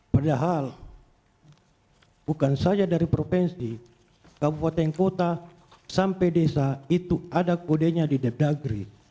padahal bukan saja dari provinsi kabupaten kota sampai desa itu ada kodenya di dedagri